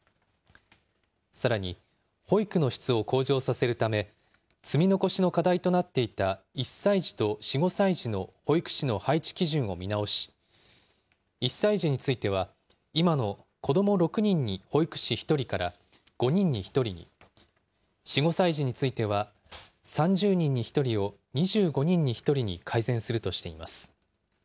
さらに保育の質を向上させるため、積み残しの課題となっていた、１歳児と４・５歳児の保育士の配置基準を見直し、１歳児については、今の子ども６人に保育士１人から５人に１人に、４・５歳児については、３０人に１人を２５人に１人に改善するとしています。